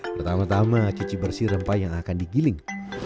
pertama tama cuci bersih rempah yang akan digiling